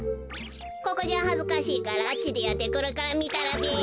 ここじゃはずかしいからあっちでやってくるからみたらべよ。